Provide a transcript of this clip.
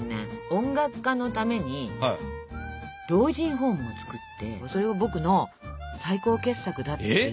音楽家のために老人ホームを造ってそれを僕の最高傑作だっていって。